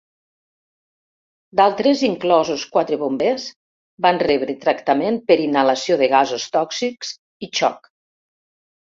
D'altres, inclosos quatre bombers, van rebre tractament per inhalació de gasos tòxics i xoc.